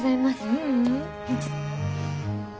ううん。